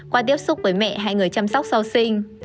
qua tiếp xúc với mẹ hay người chăm sóc sau sinh